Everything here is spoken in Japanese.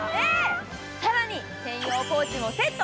更に専用ポーチもセット。